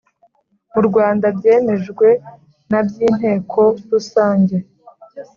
mu Rwanda byemejwe na by inteko rusange